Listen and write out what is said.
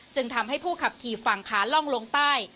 จึงทำให้ผู้ขับขี่ฝั่งขาล่องลงใต้